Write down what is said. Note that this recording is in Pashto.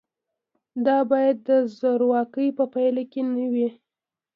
دا باید د زورواکۍ په پایله کې نه وي.